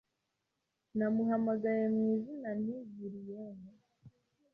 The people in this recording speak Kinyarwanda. Namuhamagaye mu izina nti Julienne